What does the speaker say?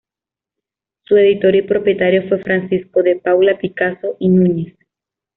Su editor y propietario fue Francisco de Paula Picazo y Núñez.